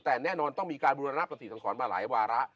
แต่แน่นอนต้องมีการบุรณปฏิสังสรรค์มาหลายวาระ